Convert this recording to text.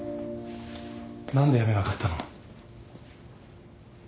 何で辞めなかったの？